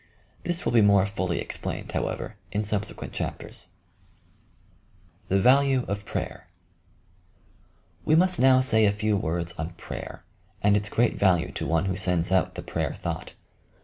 This will be more fully ex plained, however, in subsequent chapters. I PRAYER, CONCENTRATION, SILENCE 219 THE VALUE OP PRAYER We must now say a few words on prayer, and its great value to one who sends out the prayer thought.